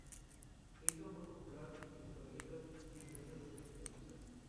Se hizo muy popular en historietas y diversas series de televisión.